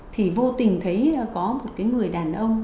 thì vô tình thấy có một người đàn ông